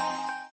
kamu hebat murdi